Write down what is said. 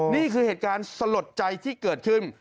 นี่คือเหตุการณ์สลดใจที่เกิดขึ้น